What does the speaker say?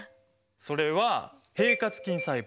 それは平滑筋細胞。